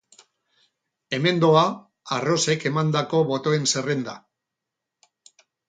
Hemen doa arrosek emandako botoen zerrenda.